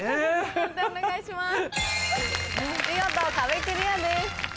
判定お願いします。